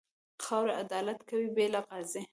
خاوره عدالت کوي، بې له قاضي.